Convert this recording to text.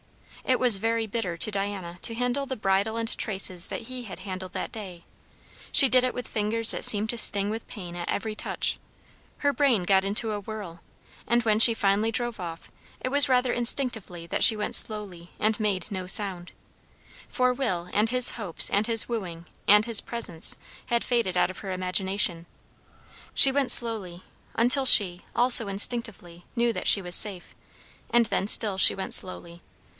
It was very bitter to Diana to handle the bridle and the traces that he had handled that day; she did it with fingers that seemed to sting with pain at every touch; her brain got into a whirl; and when she finally drove off, it was rather instinctively that she went slowly and made no sound, for Will and his hopes and his wooing and his presence had faded out of her imagination. She went slowly, until she, also instinctively, knew that she was safe, and then still she went slowly.